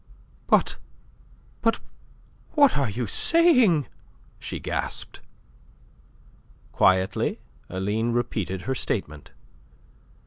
"But... but... what are you saying?" she gasped. Quietly Aline repeated her statement.